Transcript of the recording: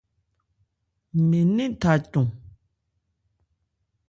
Mɛn nɛ́n tha cɔn.